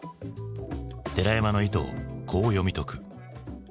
寺山の意図をこう読み解く。